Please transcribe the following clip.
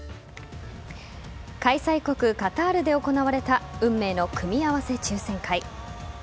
開催国・カタールで行われた運命の組み合わせ抽選会。